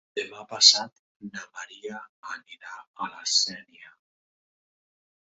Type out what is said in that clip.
Demà passat na Maria anirà a la Sénia.